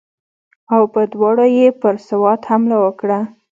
او په دواړو یې پر سوات حمله وکړه.